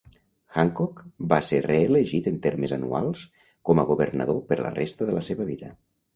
Hancock va ser reelegit en termes anuals com a governador per la resta de la seva vida.